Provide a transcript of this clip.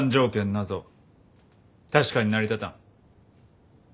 なぞ確かに成り立たん。